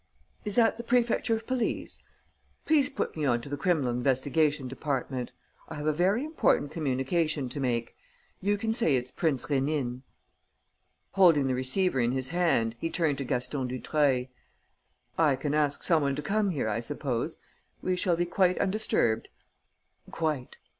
Is that the Prefecture of police? Please put me on to the criminal investigation department. I have a very important communication to make. You can say it's Prince Rénine." Holding the receiver in his hand, he turned to Gaston Dutreuil: "I can ask some one to come here, I suppose? We shall be quite undisturbed?" "Quite."